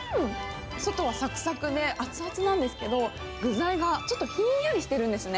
外はさくさくで熱々なんですけど、具材がちょっとひんやりしてるんですね。